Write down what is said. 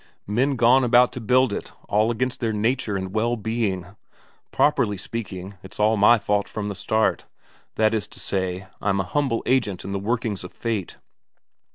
Men gone about to build it all against their nature and well being. Properly speaking, it's all my fault from the start that is to say, I'm a humble agent in the workings of fate.